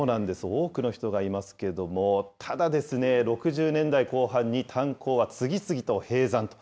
多くの人がいますけど、ただ、６０年代後半に炭鉱が次々と閉山と。